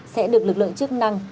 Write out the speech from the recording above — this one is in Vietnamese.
sẽ được lực lượng chức năng